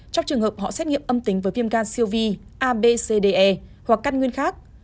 trong trường hợp họ xét nghiệm âm tính với viêm gan siêu vi abcde hoặc căn nguyên khác